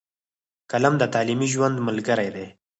قلم د تعلیمي ژوند ملګری دی.